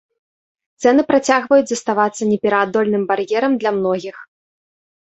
Цэны працягваюць заставацца непераадольным бар'ерам для многіх.